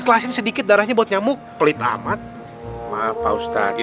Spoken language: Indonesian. ustaz enggak apa apa ustaz